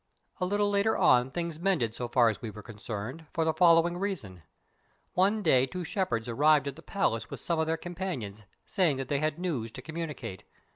A little later on things mended so far as we were concerned, for the following reason: One day two shepherds arrived at the palace with some of their companions, saying that they had news to communicate.